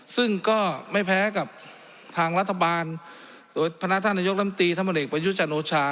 ซึ่งก็ไม่แพ้กับทางรัฐบาลพนัทนายกลำตีธรรมเหลกประยุจนโอชา